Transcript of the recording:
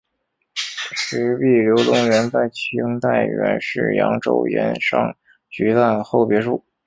石壁流淙园在清代原是扬州盐商徐赞侯别墅。